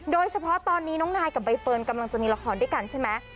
โดยเฉพาะตอนนี้น้องนายกับใบเฟิร์นกำลังจะมีละครด้วยกันใช่ไหม